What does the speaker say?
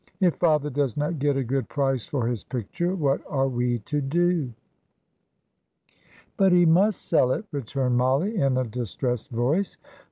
If father does not get a good price for his picture, what are we to do?" "But he must sell it," returned Mollie, in a distressed voice.